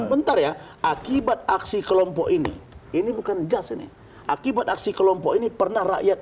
bentar ya akibat aksi kelompok ini ini bukan jas ini akibat aksi kelompok ini pernah rakyat